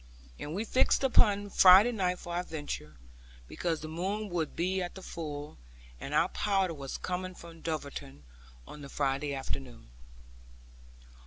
And we fixed upon Friday night for our venture, because the moon would be at the full; and our powder was coming from Dulverton on the Friday afternoon.